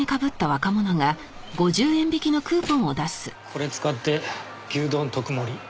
これ使って牛丼特盛。